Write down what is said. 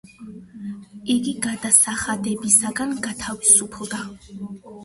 იგი გადასახადებისგან გათავისუფლდა.